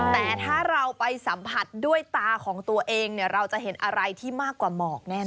แต่ถ้าเราไปสัมผัสด้วยตาของตัวเองเนี่ยเราจะเห็นอะไรที่มากกว่าหมอกแน่นอ